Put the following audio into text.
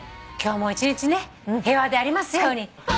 今日も一日ね平和でありますように。